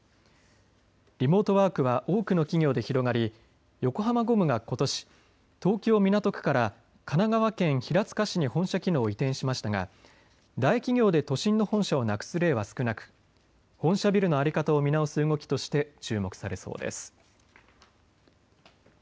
リモートワークは多くの企業で広がり横浜ゴムがことし東京港区から神奈川県平塚市に本社機能を移転しましたが大企業で都心の本社をなくす例は少なく本社ビルの在り方を見直す動きとして注目されそうです。